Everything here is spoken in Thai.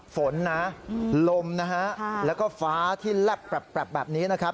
ฝนนะลมนะฮะแล้วก็ฟ้าที่แลบแปรบแบบนี้นะครับ